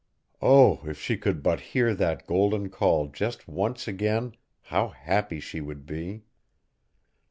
Oh! if she could but hear that golden call just once again how happy she would be!